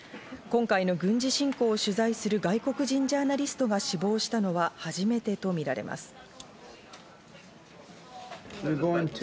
今回の軍事侵攻を取材する外国人ジャーナリストが死亡したのは初めてとみられます。